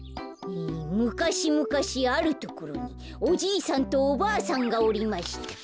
「むかしむかしあるところにおじいさんとおばあさんがおりました。